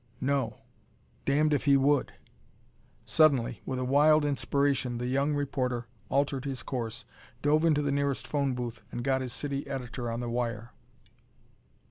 No damned if he would! Suddenly, with a wild inspiration, the young reporter altered his course, dove into the nearest phone booth and got his city editor on the wire.